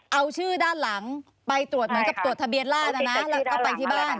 เอาชื่อด้านหลังไปตรวจเหมือนกับตรวจทะเบียนราชนะนะแล้วก็ไปที่บ้าน